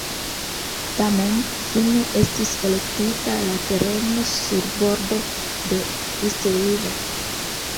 Tamen fine estis elektita la tereno sur bordo de East River.